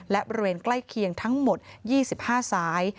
และบริเวณใกล้เคียงทั้งหมด๒๕สาย